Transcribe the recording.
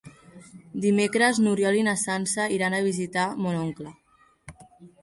Dimecres n'Oriol i na Sança iran a visitar mon oncle.